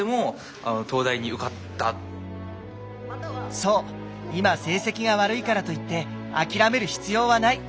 そう今成績が悪いからといって諦める必要はない！